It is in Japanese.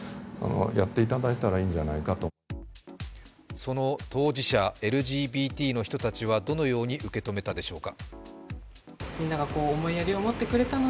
その当事者、ＬＧＢＴの人たちはどのように受け止めたでしょうか。